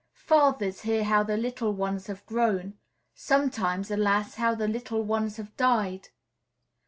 Fathers hear how the little ones have grown; sometimes, alas! how the little ones have died.